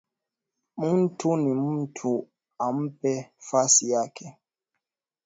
Muntu ni muntu umupe fasi yake